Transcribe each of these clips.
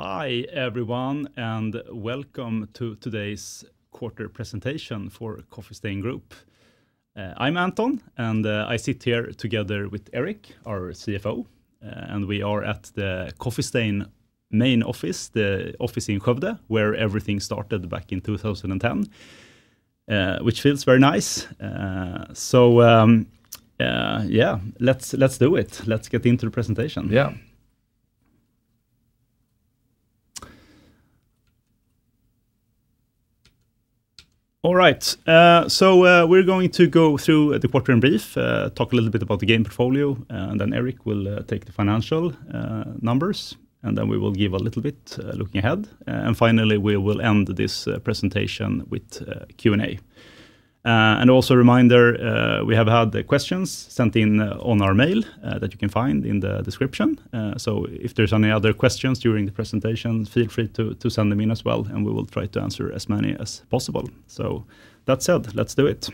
Hi, everyone, and welcome to today's quarter presentation for Coffee Stain Group. I'm Anton, and I sit here together with Erik, our CFO, and we are at the Coffee Stain main office, the office in Skövde, where everything started back in 2010, which feels very nice. So, yeah, let's do it. Let's get into the presentation. Yeah. All right. So, we're going to go through the quarter in brief, talk a little bit about the game portfolio, and then Erik will take the financial numbers, and then we will give a little bit looking ahead. And finally, we will end this presentation with Q&A. And also a reminder, we have had the questions sent in on our mail, that you can find in the description. So if there's any other questions during the presentation, feel free to send them in as well, and we will try to answer as many as possible. So that said, let's do it.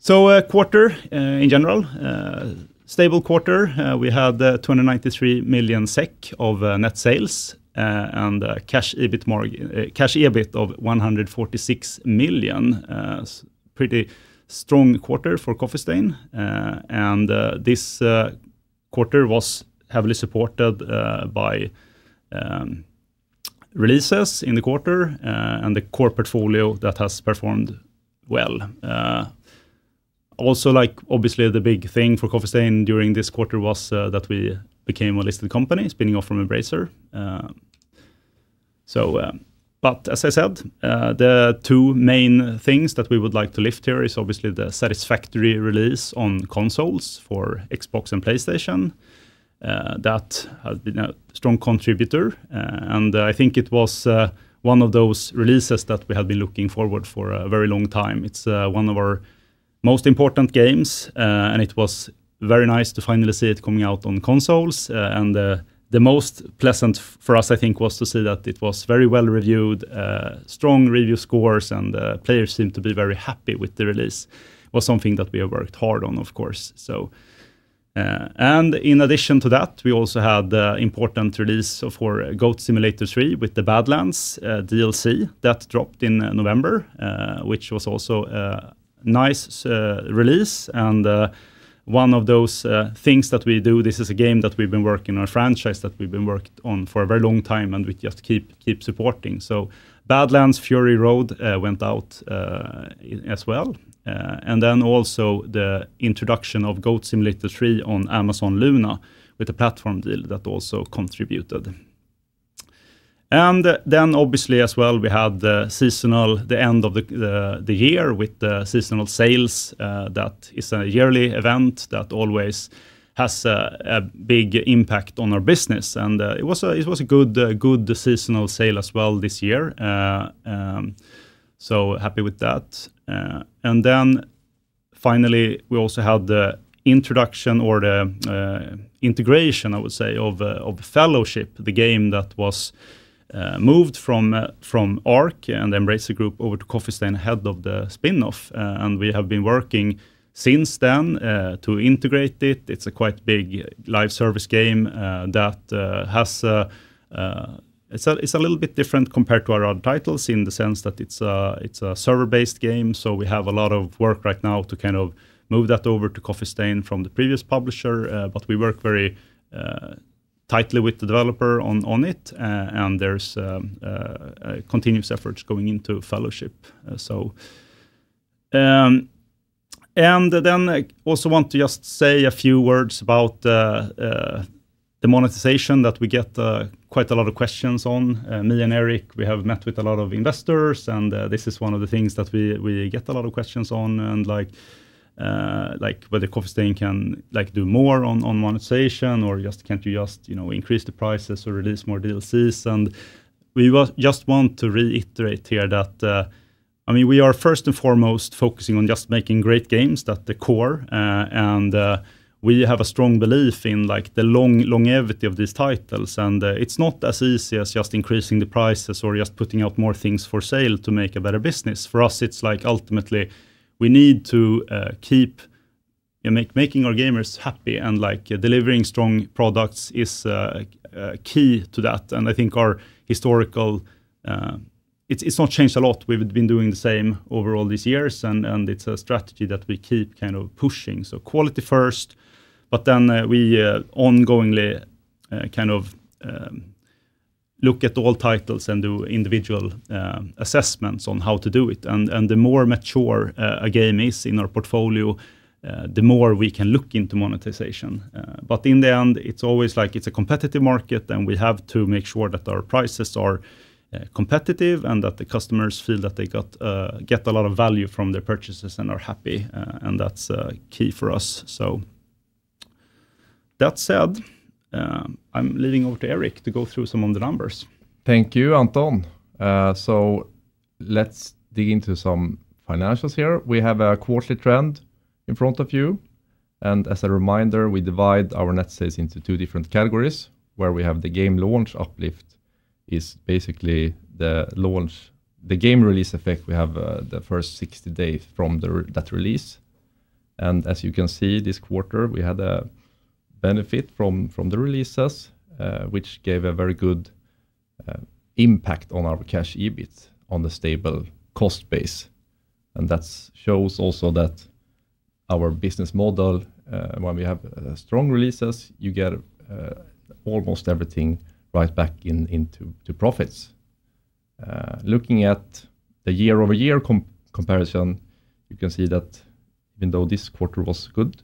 So, quarter in general, stable quarter. We had 293 million SEK of net sales, and cash EBIT of 146 million. Pretty strong quarter for Coffee Stain. This quarter was heavily supported by releases in the quarter and the core portfolio that has performed well. Also, like, obviously, the big thing for Coffee Stain during this quarter was that we became a listed company, spinning off from Embracer. But as I said, the two main things that we would like to lift here is obviously the Satisfactory release on consoles for Xbox and PlayStation. That has been a strong contributor, and I think it was one of those releases that we have been looking forward for a very long time. It's one of our most important games and it was very nice to finally see it coming out on consoles. And, the most pleasant for us, I think, was to see that it was very well reviewed, strong review scores and players seemed to be very happy with the release. It was something that we have worked hard on, of course. And in addition to that, we also had the important release of our Goat Simulator 3 with the Baadlands, DLC that dropped in November, which was also a nice, release and one of those, things that we do. This is a game that we've been working, or a franchise that we've been worked on for a very long time, and we just keep, keep supporting. So Baadlands: Furry Road, went out, as well. And then also the introduction of Goat Simulator 3 on Amazon Luna with a platform deal that also contributed. And then obviously as well, we had the seasonal end of the year with the seasonal sales. That is a yearly event that always has a big impact on our business, and it was a good seasonal sale as well this year. So happy with that. And then finally, we also had the introduction or the integration, I would say, of Fellowship, the game that was moved from Arc and the Embracer Group over to Coffee Stain ahead of the spin-off. And we have been working since then to integrate it. It's a quite big live service game that has a... It's a little bit different compared to our other titles in the sense that it's a server-based game, so we have a lot of work right now to kind of move that over to Coffee Stain from the previous publisher. But we work very tightly with the developer on it, and there's a continuous effort going into Fellowship, so. Then I also want to just say a few words about the monetization that we get quite a lot of questions on. Me and Erik, we have met with a lot of investors, and this is one of the things that we get a lot of questions on, and like whether Coffee Stain can like do more on monetization, or just can't you just, you know, increase the prices or release more DLCs? And we just want to reiterate here that, I mean, we are first and foremost focusing on just making great games, that's the core. And we have a strong belief in like the long longevity of these titles, and it's not as easy as just increasing the prices or just putting out more things for sale to make a better business. For us, it's like ultimately we need to keep making our gamers happy and like delivering strong products is key to that. I think our historical... It's not changed a lot. We've been doing the same over all these years, and it's a strategy that we keep kind of pushing. So quality first, but then we ongoingly kind of look at all titles and do individual assessments on how to do it. And the more mature a game is in our portfolio, the more we can look into monetization. But in the end, it's always like it's a competitive market, and we have to make sure that our prices are competitive and that the customers feel that they get a lot of value from their purchases and are happy, and that's key for us. So that said, I'm leading over to Erik to go through some of the numbers. Thank you, Anton. So let's dig into some financials here. We have a quarterly trend in front of you, and as a reminder, we divide our net sales into two different categories, where we have the game launch uplift is basically the launch, the game release effect. We have the first 60 days from that release. And as you can see, this quarter, we had a benefit from the releases, which gave a very good impact on our Cash EBIT on the stable cost base. And that shows also that our business model, when we have strong releases, you get almost everything right back into profits. Looking at the year-over-year comparison, you can see that even though this quarter was good,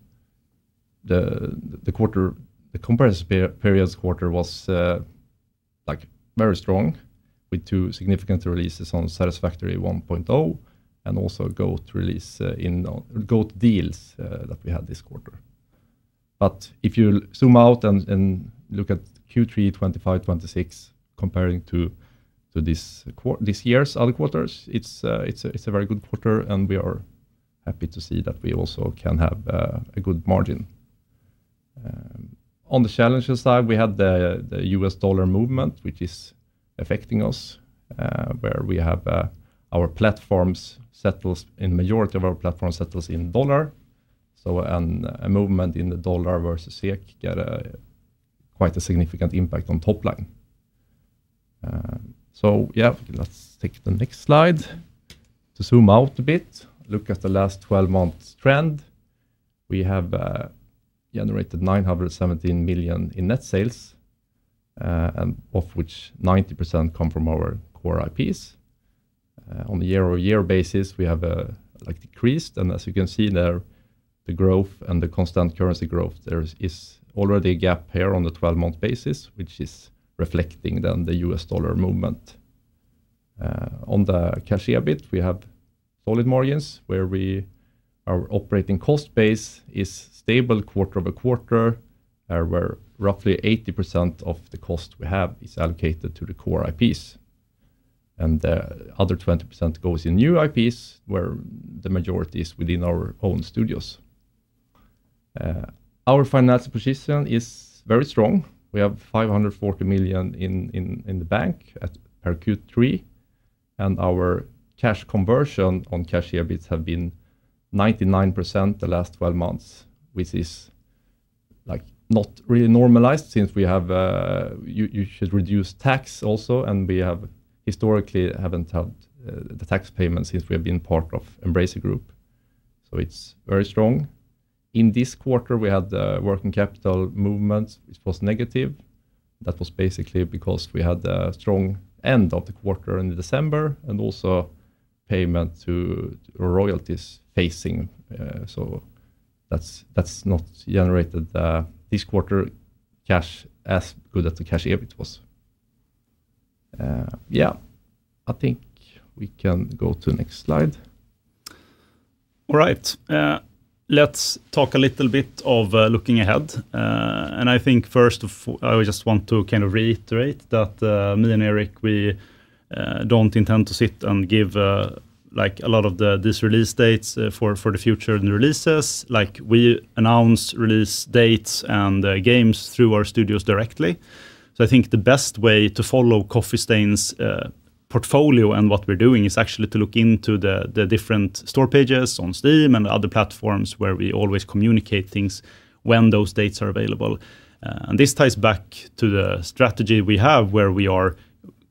the comparison period's quarter was, like, very strong, with two significant releases on Satisfactory 1.0, and also Goat release in good deals that we had this quarter. But if you zoom out and look at Q3 2025-2026, comparing to this year's other quarters, it's a very good quarter, and we are happy to see that we also can have a good margin. On the challenges side, we had the US dollar movement, which is affecting us, where we have our platforms settles, and majority of our platforms settles in dollar. So, and a movement in the dollar versus SEK get a quite a significant impact on top line. So yeah, let's take the next slide. To zoom out a bit, look at the last 12 months trend. We have generated 917 million in net sales, and of which 90% come from our core IPs. On a year-over-year basis, we have, like, decreased, and as you can see there, the growth and the constant currency growth, there is already a gap here on the 12-month basis, which is reflecting then the US dollar movement. On the Cash EBIT, we have solid margins, where our operating cost base is stable quarter-over-quarter, where roughly 80% of the cost we have is allocated to the core IPs. And the other 20% goes in new IPs, where the majority is within our own studios. Our financial position is very strong. We have 540 million in the bank at per Q3, and our cash conversion on cash EBIT have been 99% the last 12 months, which is, like, not really normalized since we have. You should reduce tax also, and we have historically haven't had the tax payment since we have been part of Embracer Group, so it's very strong. In this quarter, we had the working capital movement, which was negative. That was basically because we had a strong end of the quarter in December, and also payment to royalties paying, so that's not generated this quarter cash as good as the cash EBIT was. Yeah, I think we can go to the next slide. All right. Let's talk a little bit of looking ahead. And I think first off I would just want to kind of reiterate that, me and Erik, we don't intend to sit and give, like, a lot of these release dates, for the future releases. Like, we announce release dates and games through our studios directly. So I think the best way to follow Coffee Stain's portfolio and what we're doing is actually to look into the different store pages on Steam and other platforms, where we always communicate things when those dates are available. And this ties back to the strategy we have, where we are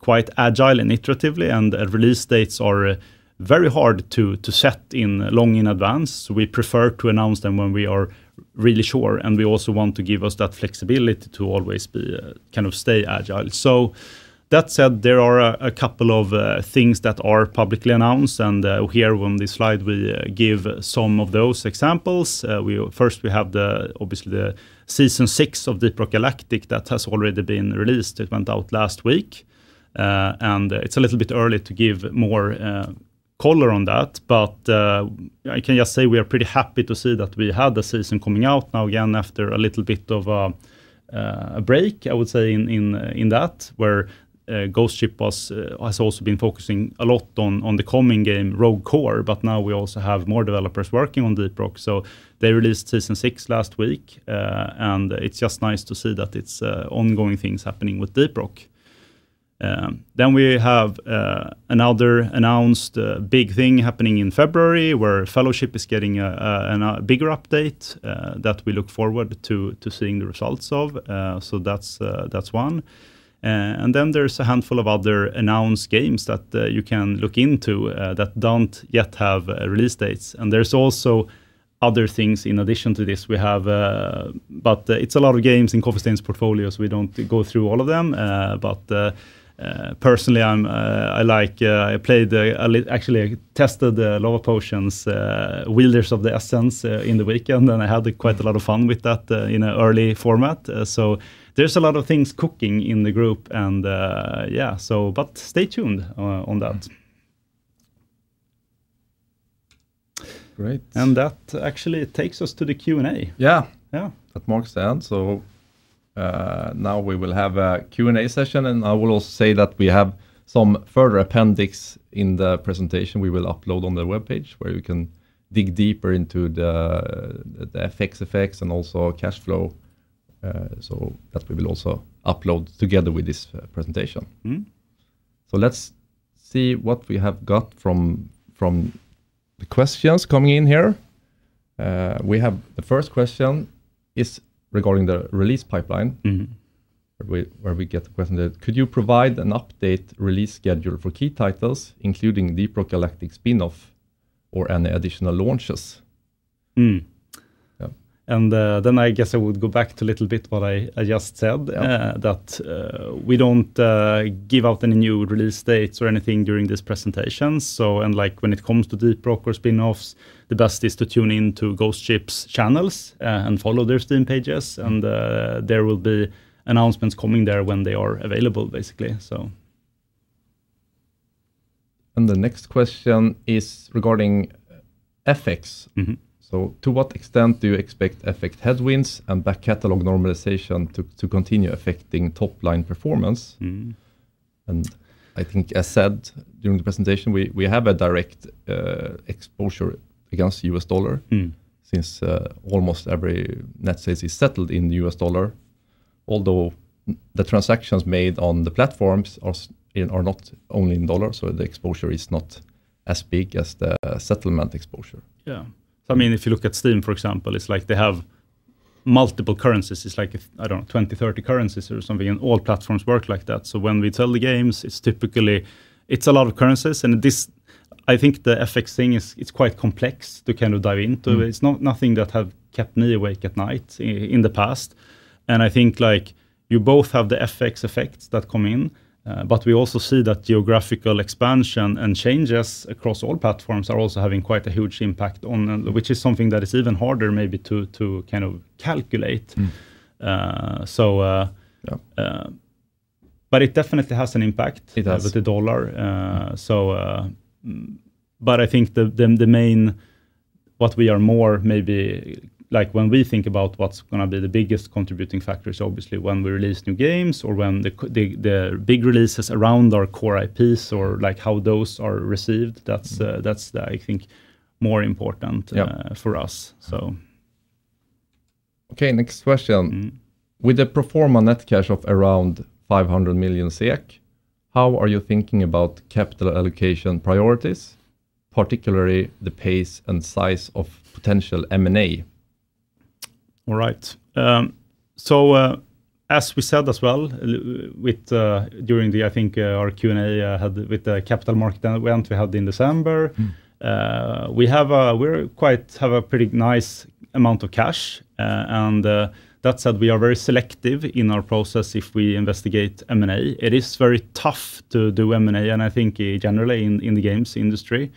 quite agile and iteratively, and release dates are very hard to set long in advance. We prefer to announce them when we are really sure, and we also want to give us that flexibility to always be kind of stay agile. So that said, there are a couple of things that are publicly announced, and here on this slide, we give some of those examples. First, we have, obviously, the Season VI of Deep Rock Galactic that has already been released. It went out last week. And it's a little bit early to give more color on that, but I can just say we are pretty happy to see that we had the season coming out now again after a little bit of a break, I would say, in that, where Ghost Ship has also been focusing a lot on the coming game, Rogue Core, but now we also have more developers working on Deep Rock. So they released Season VI last week, and it's just nice to see that it's ongoing things happening with Deep Rock. Then we have another announced big thing happening in February, where Fellowship is getting a bigger update that we look forward to seeing the results of. So that's one. Then there's a handful of other announced games that you can look into that don't yet have release dates. There's also other things in addition to this. We have, but it's a lot of games in Coffee Stain's portfolios. We don't go through all of them, but personally, I'm, I like, I played the... I actually tested the Lavapotion: Wielders of the Essence in the weekend, and I had quite a lot of fun with that in an early format. So there's a lot of things cooking in the group, and yeah, so but stay tuned on that. Great. That actually takes us to the Q&A. Yeah. Yeah. That marks the end. So, now we will have a Q&A session, and I will also say that we have some further appendix in the presentation we will upload on the webpage, where you can dig deeper into the FX effects and also cash flow. So that we will also upload together with this presentation. So let's see what we have got from the questions coming in here. We have the first question is regarding the release pipeline. Where we get the question that, could you provide an update release schedule for key titles, including Deep Rock Galactic spin-off or any additional launches? And, then I guess I would go back to a little bit what I, I just said that we don't give out any new release dates or anything during this presentation. So, like, when it comes to Deep Rock or spin-offs, the best is to tune in to Ghost Ship's channels and follow their Steam pages, and there will be announcements coming there when they are available, basically. The next question is regarding FX. So to what extent do you expect FX headwinds and back-catalog normalization to continue affecting top-line performance? I think I said during the presentation, we have a direct exposure against US dollar since almost every net sales is settled in US dollar, although the transactions made on the platforms are not only in dollars, so the exposure is not as big as the settlement exposure. Yeah. If you look at Steam, for example, it's like they have multiple currencies. It's like, I don't know, 20, 30 currencies or something, and all platforms work like that. So when we sell the games, It's a lot of currencies, and this, I think the FX thing is, it's quite complex to kind of dive into. It's not nothing that have kept me awake at night in the past, and I think, like, you both have the FX effects that come in, but we also see that geographical expansion and changes across all platforms are also having quite a huge impact on them, which is something that is even harder maybe to kind of calculate, but it definitely has an impact- It does... with the dollar. So, but I think the main what we are more maybe like when we think about what's going to be the biggest contributing factors, obviously, when we release new games or when the big releases around our core IPs or like how those are received, that's I think more important for us. Okay, next question. With the pro forma net cash of around 500 million SEK, how are you thinking about capital allocation priorities, particularly the pace and size of potential M&A? All right. So, as we said as well, with during the, I think, our Q&A had with the capital market event we had in December we have a pretty nice amount of cash. That said, we are very selective in our process if we investigate M&A. It is very tough to do M&A, and I think generally in the games industry.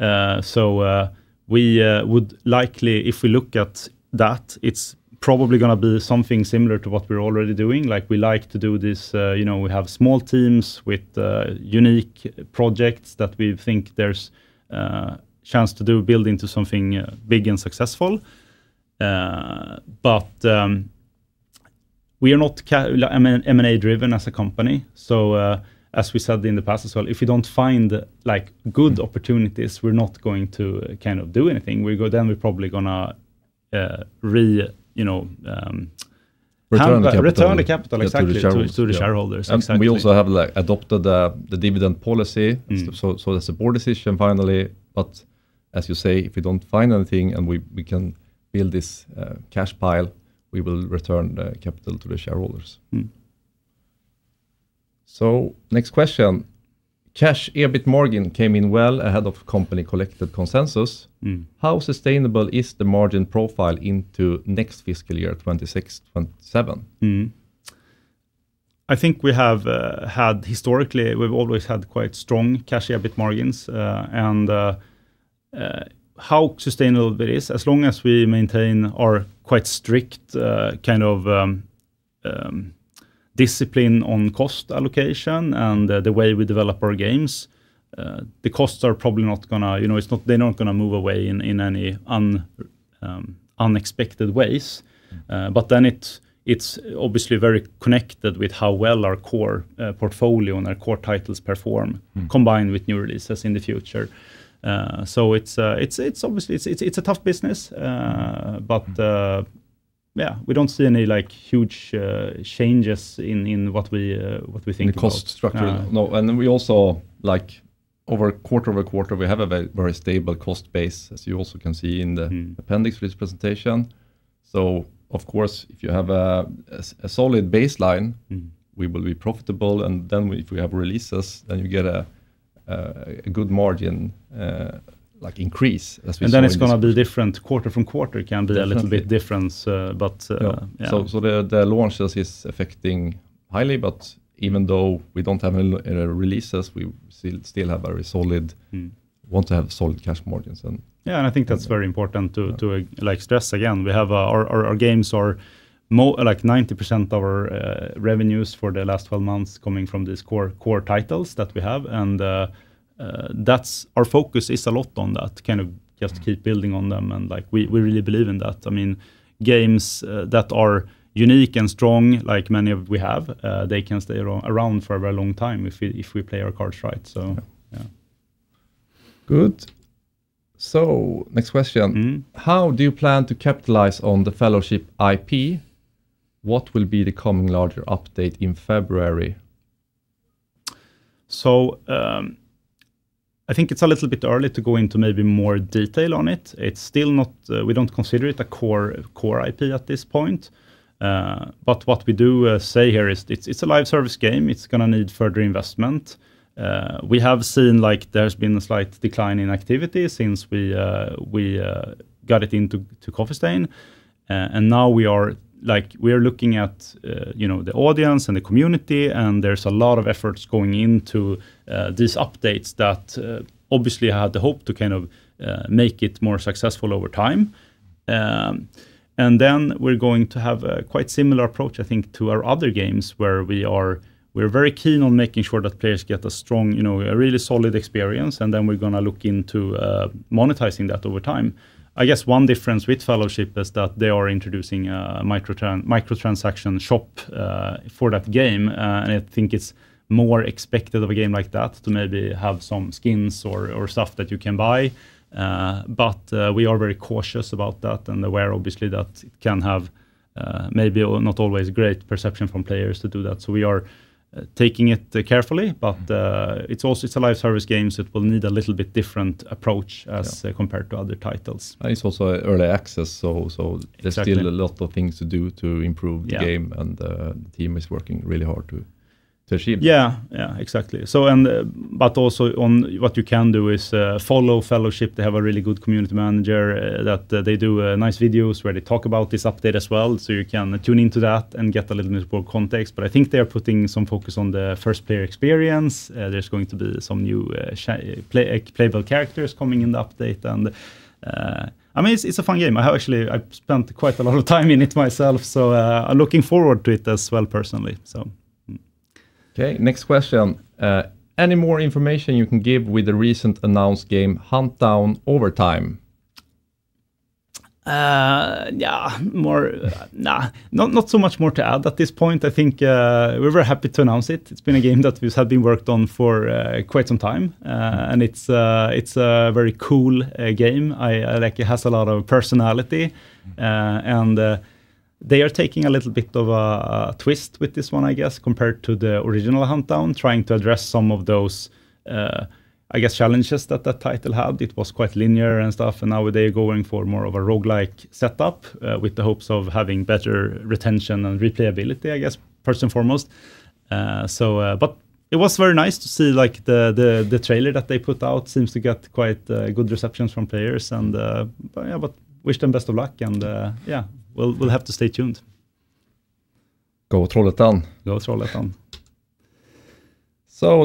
So we would likely, if we look at that, it's probably going to be something similar to what we're already doing. Like, we like to do this, you know, we have small teams with unique projects that we think there's a chance to build into something big and successful. But we are not. I mean, M&A-driven as a company. So, as we said in the past as well, if we don't find like good opportunities, we're not going to kind of do anything. We go, then we're probably gonna, you know- Return the capital.... Return the capital, exactly- To the Shareholders... to the shareholders, exactly. We also have, like, adopted the dividend policy so the support decision finally, but as you say, if we don't find anything, and we can build this cash pile, we will return the capital to the shareholders. Next question. Cash EBIT margin came in well ahead of company-collected consensus. How sustainable is the margin profile into next fiscal year, 2026, 2027? I think we have had historically, we've always had quite strong Cash EBIT margins. How sustainable that is, as long as we maintain our quite strict kind of discipline on cost allocation and the way we develop our games, the costs are probably not gonna... You know, it's not- they're not gonna move away in any unexpected ways. But then it's obviously very connected with how well our core portfolio and our core titles perform combined with new releases in the future. So it's obviously a tough business. But yeah, we don't see any, like, huge changes in what we think about. The cost structure. Yeah. No, and then we also, like, quarter-over-quarter, we have a very stable cost base, as you also can see in the appendix for this presentation. Of course, if you have a solid baseline we will be profitable, and then if we have releases, then you get a good margin, like increase, as we saw in- And then it's going to be different quarter from quarter. It can be a little bit different, but, Yeah Yeah. So the launches is affecting highly, but even though we don't have a releases, we still have very solid want to have solid cash margins. Yeah, and I think that's very important to like stress again. We have our games are more like 90% of our revenues for the last 12 months coming from these core titles that we have, and that's... Our focus is a lot on that, kind of just keep building on them, and like we really believe in that. I mean, games that are unique and strong, like many of we have, they can stay around for a very long time if we play our cards right. Good. So next question. How do you plan to capitalize on the Fellowship IP? What will be the coming larger update in February? So, I think it's a little bit early to go into maybe more detail on it. We don't consider it a core, core IP at this point. But what we do say here is it's, it's a live service game. It's gonna need further investment. We have seen, like, there's been a slight decline in activity since we got it into Coffee Stain. And now we are, like, we are looking at, you know, the audience and the community, and there's a lot of efforts going into these updates that, obviously had the hope to kind of make it more successful over time. And then we're going to have a quite similar approach, I think, to our other games, where we're very keen on making sure that players get a strong, you know, a really solid experience, and then we're gonna look into monetizing that over time. I guess one difference with Fellowship is that they are introducing a microtransaction shop for that game. And I think it's more expected of a game like that to maybe have some skins or stuff that you can buy. But we are very cautious about that, and aware, obviously, that it can have maybe not always great perception from players to do that. So we are taking it carefully, but it's also, it's a live service games that will need a little bit different approach. as compared to other titles. It's also an Early Access, so... Exactly... there's still a lot of things to do to improve the game and the team is working really hard to achieve that. Yeah. Yeah, exactly. So and, but also on what you can do is, follow Fellowship. They have a really good community manager, that they do nice videos where they talk about this update as well. So you can tune into that and get a little more context, but I think they're putting some focus on the first player experience. There's going to be some new playable characters coming in the update. And, I mean, it's a fun game. I have actually, I've spent quite a lot of time in it myself, so, I'm looking forward to it as well, personally. Okay, next question. Any more information you can give with the recent announced game, Huntdown: Overtime? Yeah, more... Nah, not so much more to add at this point. I think, we're very happy to announce it. It's been a game that has been worked on for quite some time. And it's, it's a very cool game. I like it, it has a lot of personality. And they are taking a little bit of a twist with this one, I guess, compared to the original Huntdown, trying to address some of those, I guess, challenges that the title had. It was quite linear and stuff, and now they're going for more of a roguelike setup, with the hopes of having better retention and replayability, I guess, first and foremost. So, but it was very nice to see, like, the trailer that they put out. Seems to get quite good receptions from players, and, but, yeah, but wish them best of luck, and, yeah, we'll have to stay tuned. Go troll it down. Go troll it down.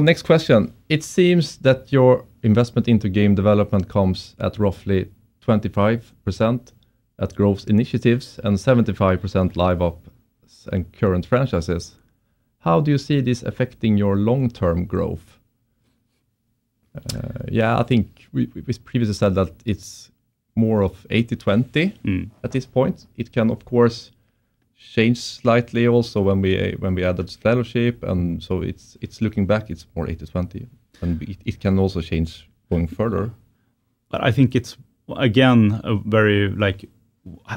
Next question: It seems that your investment into game development comes at roughly 25% at growth initiatives and 75% live op and current franchises. How do you see this affecting your long-term growth? Yeah, I think we previously said that it's more of 80/20 at this point. It can, of course, change slightly also when we added Fellowship, and so it's looking back, it's more 80/20, and it can also change going further. But I think it's, again, a very, like,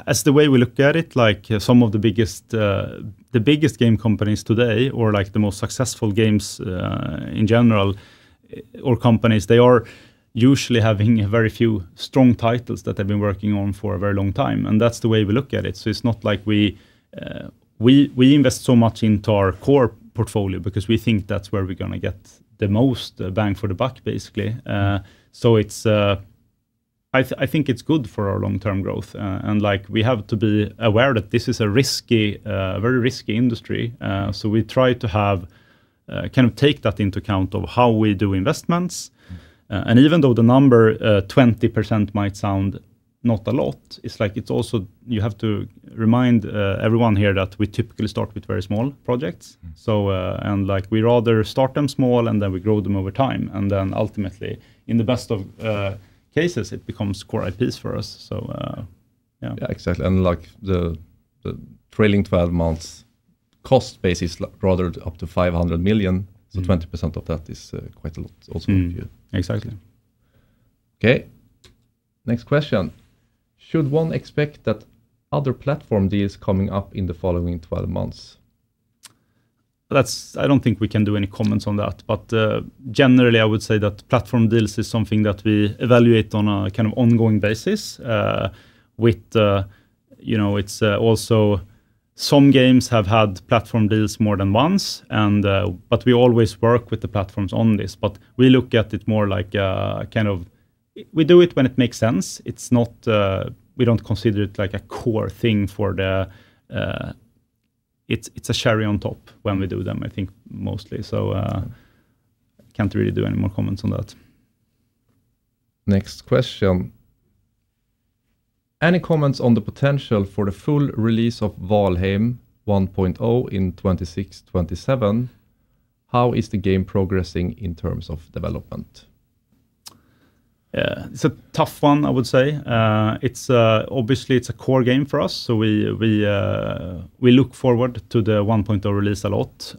as the way we look at it, like, some of the biggest, the biggest game companies today, or, like, the most successful games, in general, or companies, they are usually having a very few strong titles that they've been working on for a very long time, and that's the way we look at it. So it's not like we invest so much into our core portfolio because we think that's where we're gonna get the most, bang for the buck, basically. So it's, I think it's good for our long-term growth. And, like, we have to be aware that this is a risky, very risky industry. So we try to kind of take that into account of how we do investments. Even though the number 20% might sound not a lot, it's also, you have to remind everyone here that we typically start with very small projects. Like, we rather start them small, and then we grow them over time, and then ultimately, in the best of cases, it becomes core IPs for us. So, yeah. Yeah, exactly. And, like, the trailing 12 months cost base is rather up to 500 million, so 20% of that is quite a lot also. Exactly. Okay, next question: Should one expect that other platform deals coming up in the following 12 months? I don't think we can do any comments on that, but, generally, I would say that platform deals is something that we evaluate on a, kind of, ongoing basis, with, you know, it's, also some games have had platform deals more than once, and, but we always work with the platforms on this. But we look at it more like, kind of, we do it when it makes sense. We don't consider it like a core thing for the... It's, it's a cherry on top when we do them, I think, mostly. So can't really do any more comments on that. Next question: Any comments on the potential for the full release of Valheim 1.0 in 2026, 2027? How is the game progressing in terms of development? Yeah, it's a tough one, I would say. It's obviously a core game for us, so we look forward to the 1.0 release a lot.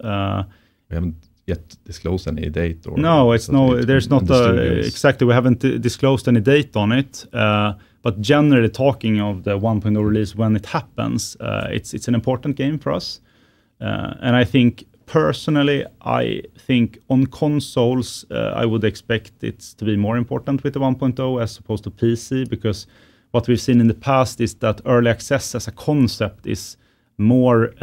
We haven't yet disclosed any date or? No, it's not, there's not a. In the studios Exactly, we haven't disclosed any date on it. But generally talking of the 1.0 release, when it happens, it's an important game for us. And I think personally, I think on consoles, I would expect it to be more important with the 1.0 as opposed to PC, because what we've seen in the past is that early access as a concept is more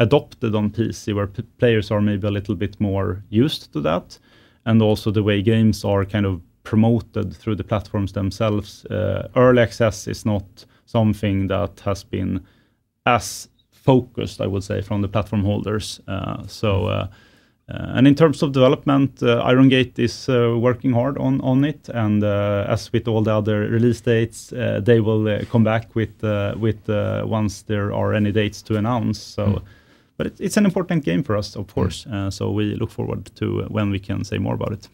adopted on PC, where players are maybe a little bit more used to that, and also the way games are kind of promoted through the platforms themselves. Early access is not something that has been as focused, I would say, from the platform holders. So, in terms of development, Iron Gate is working hard on it, and as with all the other release dates, they will come back with the once there are any dates to announce. So it's an important game for us, of course. So we look forward to when we can say more about it.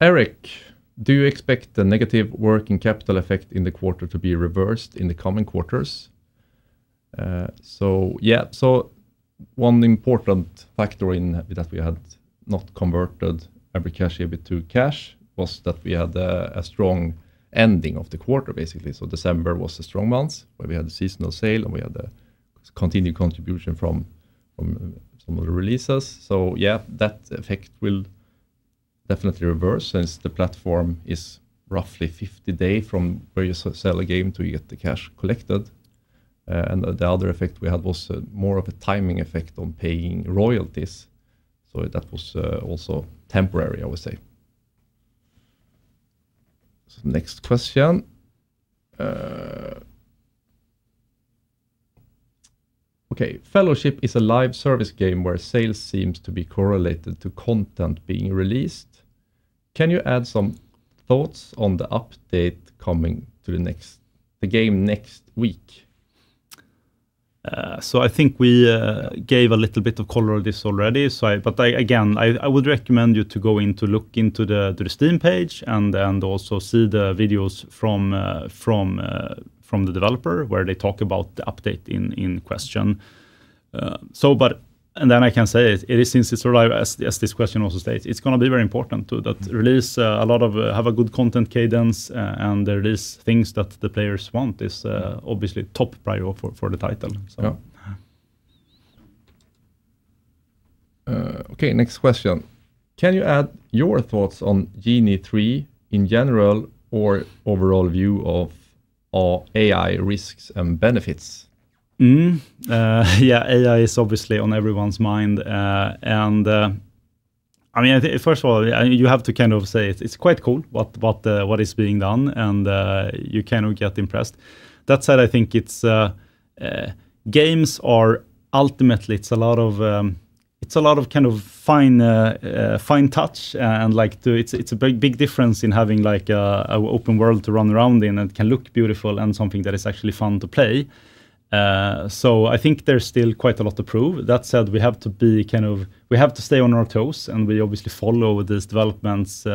Erik, do you expect the negative working capital effect in the quarter to be reversed in the coming quarters? So yeah, so one important factor in that we had not converted every Cash EBIT to cash, was that we had a strong ending of the quarter, basically. So December was a strong month, where we had the seasonal sale, and we had the continued contribution from some of the releases. So yeah, that effect will definitely reverse, since the platform is roughly 50 day from where you sell a game to you get the cash collected. And the other effect we had was more of a timing effect on paying royalties, so that was also temporary, I would say. So next question. Okay, Fellowship is a live service game where sales seems to be correlated to content being released. Can you add some thoughts on the update coming to the game next week? So I think we gave a little bit of color on this already, but again, I would recommend you to go in to look into the Steam page and then also see the videos from the developer, where they talk about the update in question. And then I can say, since it's live, as this question also states, it's gonna be very important to that release, have a good content cadence and release things that the players want, is obviously top priority for the title, so. Yeah. Okay, next question: Can you add your thoughts on Genie 3 in general, or overall view of all AI risks and benefits? Yeah, AI is obviously on everyone's mind. I mean, you have to kind of say it, it's quite cool, what is being done, and you kind of get impressed. That said, I think it's, games are ultimately, it's a lot of, it's a lot of kind of fine, fine touch. And, like, it's a big, big difference in having, like, a open world to run around in, and it can look beautiful and something that is actually fun to play. So I think there's still quite a lot to prove. That said, we have to stay on our toes, and we obviously follow these developments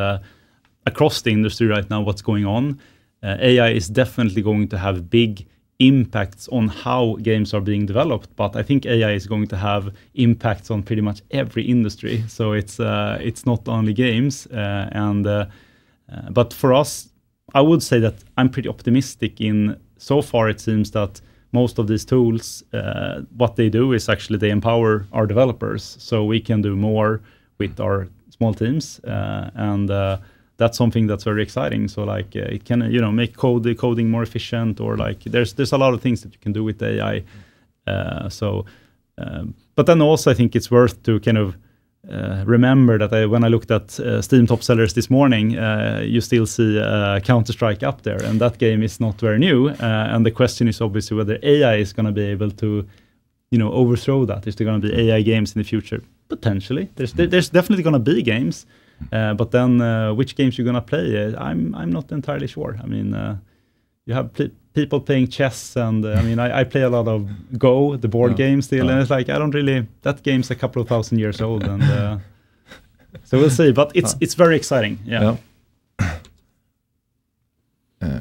across the industry right now, what's going on. AI is definitely going to have big impacts on how games are being developed, but I think AI is going to have impacts on pretty much every industry. So it's not only games, and... But for us, I would say that I'm pretty optimistic in, so far it seems that most of these tools, what they do is actually they empower our developers, so we can do more with our small teams. And that's something that's very exciting. So, like, it can, you know, make code- the coding more efficient or, like, there's, there's a lot of things that you can do with AI. But then also, I think it's worth to kind of remember that when I looked at Steam top sellers this morning, you still see Counter-Strike up there, and that game is not very new. The question is obviously whether AI is gonna be able to, you know, overthrow that. Is there gonna be AI games in the future? Potentially. There's definitely gonna be games. But then, which games you're gonna play? I'm not entirely sure. I mean, you have people playing chess and... I mean, I, I play a lot of Go, the board game, still and it's like, I isn't really... That game's a couple of thousand years old, and so we'll see, but it's very exciting. Yeah. Yeah.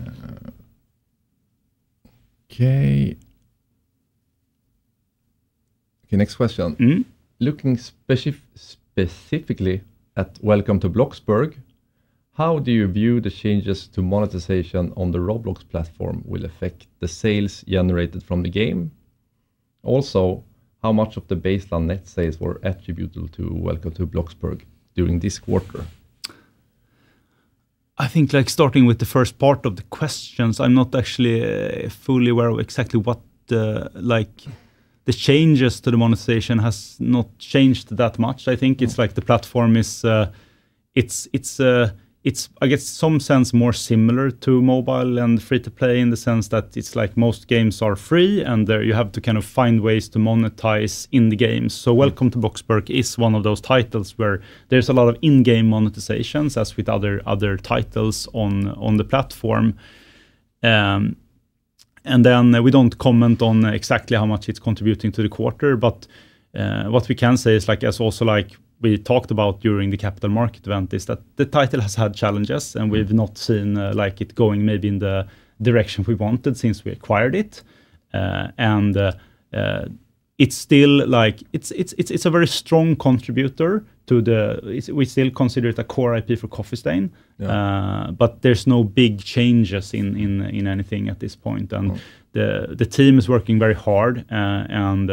Okay. Okay, next question. Looking specifically at Welcome to Bloxburg, how do you view the changes to monetization on the Roblox platform will affect the sales generated from the game? Also, how much of the baseline net sales were attributable to Welcome to Bloxburg during this quarter? I think, like, starting with the first part of the questions, I'm not actually fully aware of exactly what the, like... The changes to the monetization has not changed that much. I think it's like the platform is, I guess, some sense more similar to mobile and free-to-play, in the sense that it's like most games are free, and there you have to kind of find ways to monetize in the games. So Welcome to Bloxburg is one of those titles where there's a lot of in-game monetizations, as with other titles on the platform. And then we don't comment on exactly how much it's contributing to the quarter, but what we can say is, like, as also, like, we talked about during the capital market event, is that the title has had challenges and we've not seen, like, it going maybe in the direction we wanted since we acquired it. And it's still, like, it's a very strong contributor to the— we still consider it a core IP for Coffee Stain, but there's no big changes in anything at this point. The team is working very hard and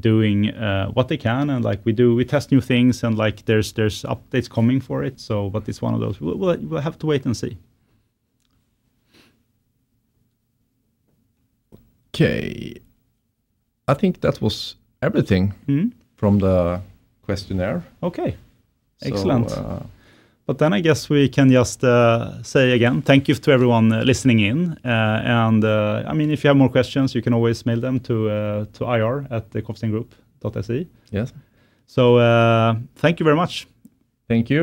doing what they can. And like, we do, we test new things, and like, there's updates coming for it. So but it's one of those... We'll have to wait and see. Okay. I think that was everything from the questionnaire. Okay. Excellent. Then I guess we can just say again, thank you to everyone listening in. I mean, if you have more questions, you can always mail them to ir@coffeestaingroup.se. Yes. Thank you very much. Thank you.